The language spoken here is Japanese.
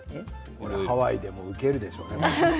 ハワイでも受けるでしょうね。